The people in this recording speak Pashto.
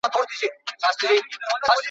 ځوانان د ټولنې بازوګان دي.